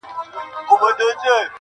لکه چي مخکي وې هغسي خو جانانه نه يې~